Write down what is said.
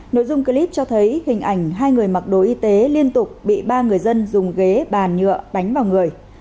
nội dung clip cho thấy hình ảnh hai người mặc đồ y tế liên tục bị ba người dân dùng ghế bàn nhựa đánh vào người